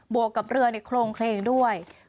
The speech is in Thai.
วกกับเรือในโครงเคลงด้วย